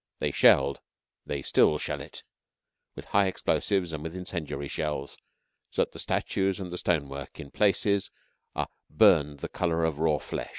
They shelled, as they still shell it, with high explosives and with incendiary shells, so that the statues and the stonework in places are burned the colour of raw flesh.